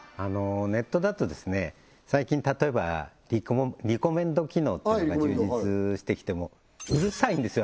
ネットだと最近例えばリコメンド機能っていうのが充実してきてもううるさいんですよ